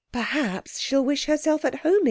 Perhaps she'll wish herself at home again soon."